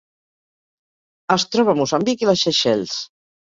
Es troba a Moçambic i les Seychelles.